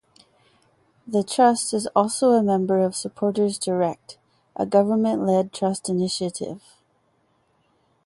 The Trust is also a member of Supporters Direct, a government-led trust initiative.